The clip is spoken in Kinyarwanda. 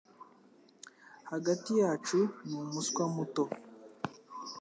Hagati yacu, ni umuswa muto.